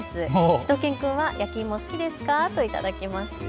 しゅと犬くんは焼き芋好きですか？と頂きました。